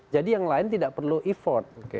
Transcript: jadi yang lain tidak perlu effort